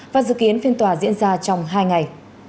và dự kiến phiên tòa diễn ra trong hai ngày